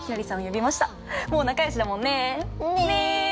もう仲良しだもんね！ね！